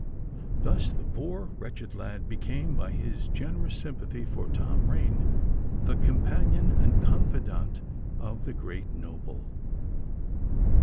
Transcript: Thus the poor, wretched lad became, by his generous sympathy for Tom Rain, the companion and confidant of the great noble!